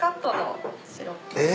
え？